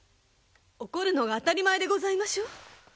怒るのが当たり前でございましょう。